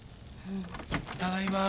ただいま。